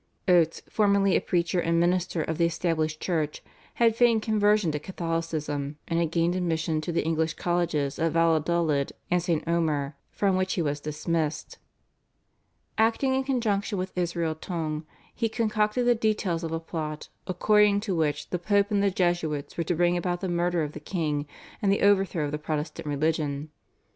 Oates, formerly a preacher and minister of the Established Church, had feigned conversion to Catholicism, and had gained admission to the English colleges at Valladolid and St. Omer from which he was dismissed. Acting in conjunction with Israel Tonge he concocted the details of a plot, according to which the Pope and the Jesuits were to bring about the murder of the king and the overthrow of the Protestant religion.